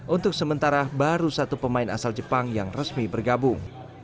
untuk sementara baru satu pemain asal jepang yang resmi bergabung